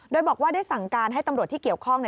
โดยบอกว่าได้สั่งการให้ตำรวจที่เกี่ยวข้อง